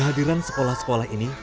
kehadiran sekolah sekolah ini